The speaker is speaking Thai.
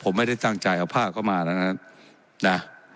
ผมไม่ได้ตั้งใจเอาภาพเข้ามาแล้วนะครับนะ